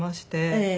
ええ。